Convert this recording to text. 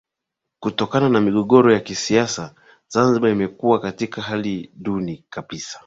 Kutokana na migogoro ya kisiasa Zanzibar imekuwa katika hali duni kabisa